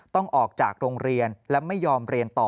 ต้องออกจากโรงเรียนและไม่ยอมเรียนต่อ